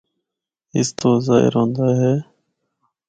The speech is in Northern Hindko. اس تو ظاہر ہوندا اے۔